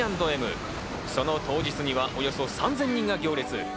その当日にはおよそ３０００人が行列。